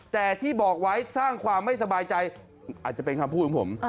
แต่ที่บอกไว้สร้างความไม่สบายใจอาจจะเป็นคำพูดของผม